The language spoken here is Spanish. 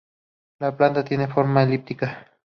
La planta tiene forma elíptica.